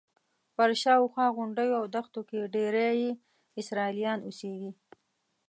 پر شاوخوا غونډیو او دښتو کې ډېری یې اسرائیلیان اوسېږي.